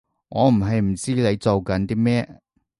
我唔係唔知你做緊啲咩